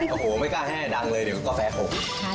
โอ้โหไม่กล้าแห้ดังเลยเดี๋ยวกาแฟผม